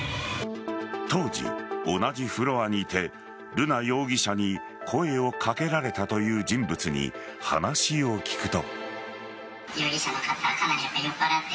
当時、同じフロアにいて瑠奈容疑者に声を掛けられたという人物に話を聞くと。